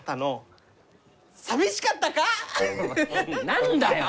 何だよ！